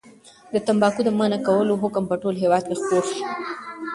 د تنباکو د منع کولو حکم په ټول هېواد کې خپور شو.